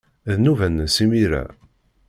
D nnuba-nnes imir-a.